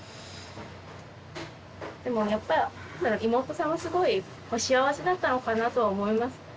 でもやっぱ妹さんはすごい幸せだったのかなとは思います。